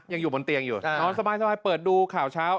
ยังอยู่บนเตียงอยู่นอนสบายเปิดดูข่าวเช้า